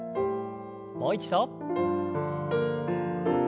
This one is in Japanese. もう一度。